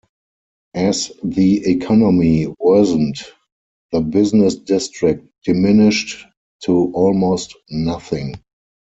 As the economy worsened the business district diminished to almost nothing.